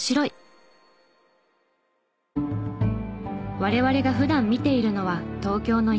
我々が普段見ているのは東京の一面だけ。